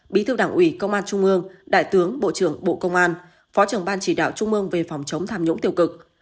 bí thư đảng ủy công an trung ương đại tướng bộ trưởng bộ công an phó trưởng ban chỉ đạo trung ương về phòng chống tham nhũng tiêu cực